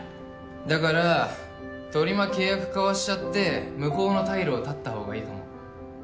だからとりま契約交わしちゃって向こうの退路を断ったほうがいいかも。